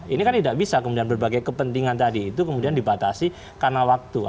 ini kan tidak bisa kemudian berbagai kepentingan tadi itu kemudian dibatasi karena waktu